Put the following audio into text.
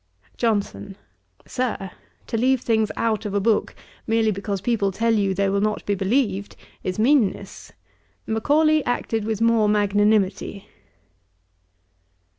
JOHNSON. 'Sir, to leave things out of a book, merely because people tell you they will not be believed, is meanness. Macaulay acted with more magnanimity.'